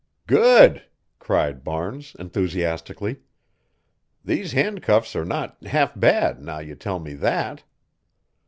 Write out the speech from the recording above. "Good!" cried Barnes, enthusiastically. "These handcuffs are not half bad, now you tell me that."